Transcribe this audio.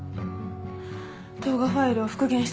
動画ファイルを復元したとき